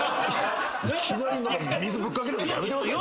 いきなり水ぶっかけやめてください。